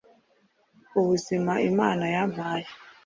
ubuzima imana yampaye